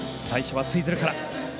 最初はツイズルから。